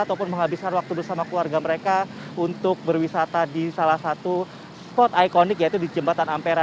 ataupun menghabiskan waktu bersama keluarga mereka untuk berwisata di salah satu spot ikonik yaitu di jembatan ampera